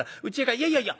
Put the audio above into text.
「いやいやいや。